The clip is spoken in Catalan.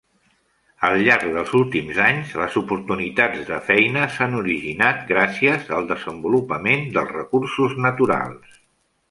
Al llarg dels últims anys, les oportunitats de feina s'han originat gràcies al desenvolupament dels recursos naturals.